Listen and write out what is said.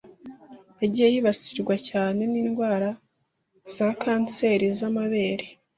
yagiye yibasirwa cyane n’indwara za Cancer z’amabere,